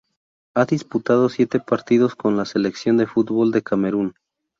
Ha disputado siete partidos con la selección de fútbol de Camerún.